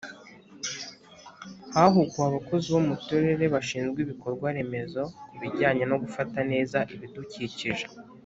Hahuguwe abakozi bo mu Turere bashinzwe ibikorwa remezo kubijyanye no gufata neza ibidukikije